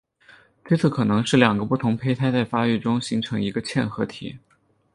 推测可能是两个不同胚胎在发育中形成一个嵌合体。